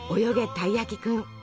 たいやきくん」。